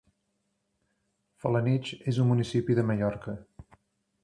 Felanitx és un municipi de Mallorca.